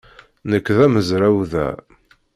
Nekk d amezraw da.